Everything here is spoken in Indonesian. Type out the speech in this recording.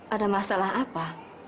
ada masalah apa